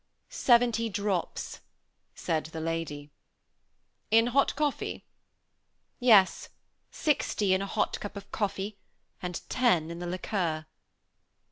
"Seventy drops," said the lady. "In the hot coffee?" "Yes; sixty in a hot cup of coffee and ten in the liqueur."